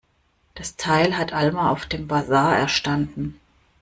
Das Teil hat Alma auf dem Basar erstanden.